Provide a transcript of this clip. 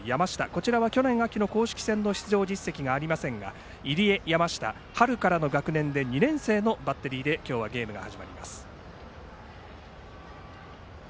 こちらは去年秋の公式戦の出場実績がありませんが入江、山下、春からの学年で２年生のバッテリーで今日はゲームが始まります。